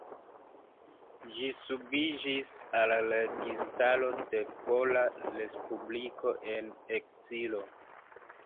Ĝi subiĝis al la Registaro de Pola Respubliko en ekzilo.